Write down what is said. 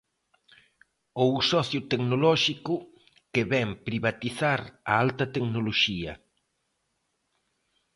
Ou o socio tecnolóxico, que vén privatizar a alta tecnoloxía.